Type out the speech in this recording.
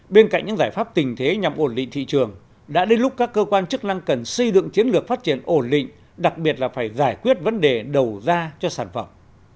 bên cạnh những giải pháp tình thế nhằm ổn định thị trường đã đến lúc các cơ quan chức năng cần xây dựng chiến lược phát triển ổn định đặc biệt là phải giải quyết vấn đề đầu ra cho sản phẩm